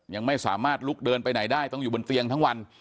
ยังไม่สามารถลุกเดินไปไหนได้ต้องอยู่บนเตียงทั้งวัน